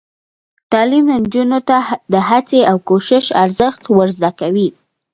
تعلیم نجونو ته د هڅې او کوشش ارزښت ور زده کوي.